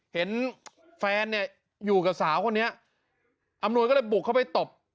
เห็นแฟนเนี่ยอยู่กับสาวคนนี้อำนวยก็เลยบุกเข้าไปตบ